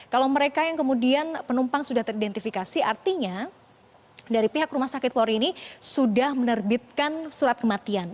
kalau mereka yang kemudian penumpang sudah teridentifikasi artinya dari pihak rumah sakit polri ini sudah menerbitkan surat kematian